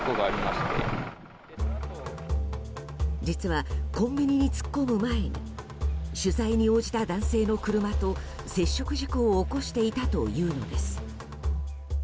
実はコンビニに突っ込む前に取材に応じてくれた男性の車と接触事故を起こしていたというのです。